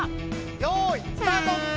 よいスタート！